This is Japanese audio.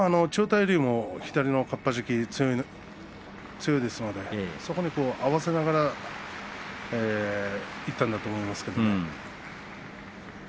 千代大龍も左のかっぱじき強いですのでそれに合わせながらいったんだと思います。